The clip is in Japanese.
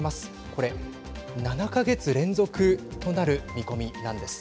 これ、７か月連続となる見込みなんです。